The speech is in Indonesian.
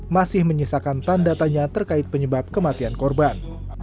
masih menyisakan tandatanya terkait penyebab kematian korban